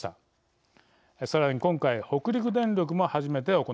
さらに今回北陸電力も初めて行っています。